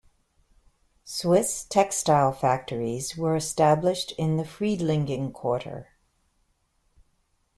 Swiss textile factories were established in the Friedlingen quarter.